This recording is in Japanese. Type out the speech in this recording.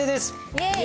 イエイ！